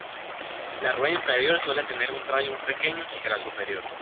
La rueda inferior suele tener un radio más pequeño que la superior.